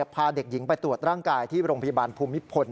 พาเด็กหญิงไปตรวจร่างกายที่โรงพยาบาลภูมิพล